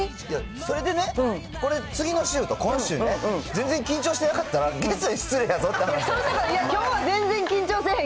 それでね、これ次の週と、今週ね、全然緊張してなかったら、ゲストに失礼やぞって話やねん。